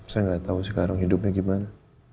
saya tidak tahu sekarang hidupnya bagaimana